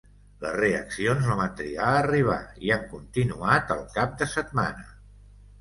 Les reaccions no van trigar a arribar i han continuat el cap de setmana.